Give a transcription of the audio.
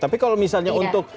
tapi kalau misalnya untuk